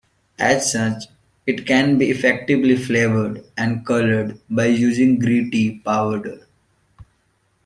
As such, it can be effectively flavoured and coloured by using green tea powder.